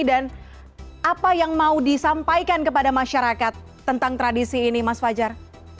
dan apa yang mau disampaikan kepada masyarakat tentang tradisi ini mas fajar